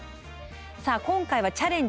さあ今回は「チャレンジ！